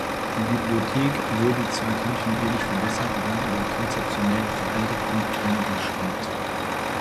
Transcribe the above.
Die Bibliothek wurde zwar kontinuierlich verbessert, war aber konzeptionell veraltet und eingeschränkt.